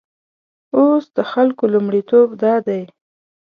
اوس د خلکو لومړیتوب دادی.